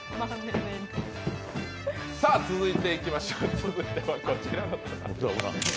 続いてはこちらの方。